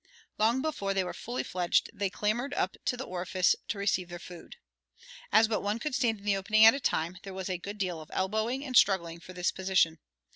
Long before they were fully fledged they clambered up to the orifice to receive their food. As but one could stand in the opening at a time, there was a good deal of elbowing and struggling for this position.